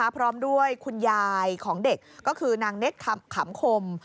พร้อมด้วยคุณยายของเด็กก็คือนางเน็ตขำคม